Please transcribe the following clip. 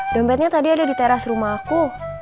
dompetnya tadi ada di teras rumah aku